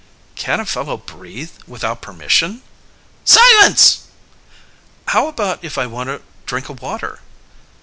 "Can't a fellow breathe without permission?" "Silence!" "How about if I want a drink of water?"